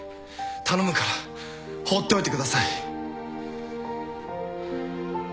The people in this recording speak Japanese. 頼むから放っておいてください。